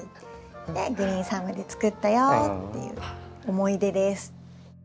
で「グリーンサム」で作ったよっていう思い出です。